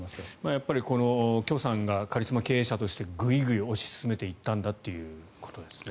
やっぱりキョさんがカリスマ経営者としてグイグイ推し進めていったんだということですね。